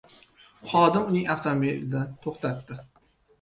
Xodim uning avtomobilni toʻxtatdi.